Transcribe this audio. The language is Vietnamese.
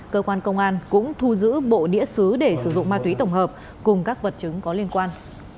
cơ quan công an cũng thu giữ bộ đĩa xứ để sử dụng ma túy tổng hợp cùng các vật chứng có liên quan